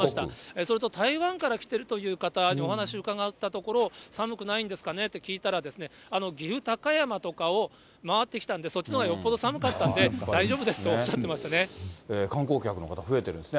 それと台湾から来てるという方にお話を伺ったところ、寒くないんですかね？と聞いたら、岐阜・高山とかを回ってきたんで、そっちのほうがよっぽど寒かったんで大丈夫ですとおっしゃってま観光客の方、増えてるんですね。